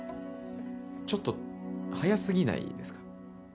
ちょっと早過ぎないですか？